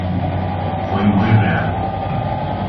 Foi moi real.